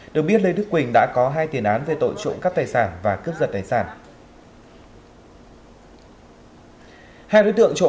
được biết lê đức quỳnh đã có hai tiền án về tội trộm cắp tài sản và cướp giật tài sản